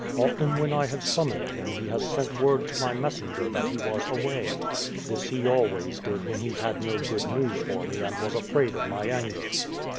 Often when I have summoned him he has sent word to my messenger that he was away. This he always did when he had no good news for me and was afraid of my anger.